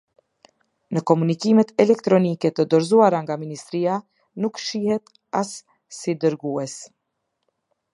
Në komunikimet elektronike të dorëzuara nga ministria, nuk shihet as si dërgues.